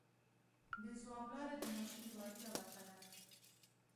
د ځواک لاره د ماشین د وړتیا برخه ده.